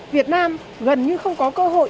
việt nam gần như không có cơ hội